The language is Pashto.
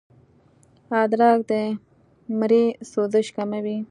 ادرک د مرۍ سوزش کموي